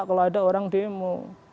kalau ada orang demo